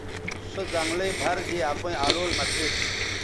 سو زنگلئ بَھر دے اپئیں الول مہ بھیٹ گے